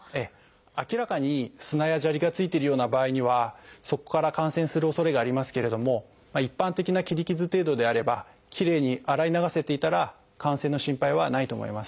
明らかに砂や砂利が付いてるような場合にはそこから感染するおそれがありますけれども一般的な切り傷程度であればきれいに洗い流せていたら感染の心配はないと思います。